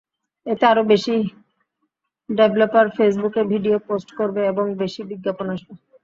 এতে আরও বেশি ডেভেলপার ফেসবুকে ভিডিও পোস্ট করবে এবং বেশি বিজ্ঞাপন আসবে।